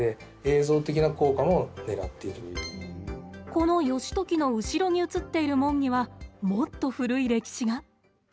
この義時の後ろに写っている門には、もっと古い歴史が。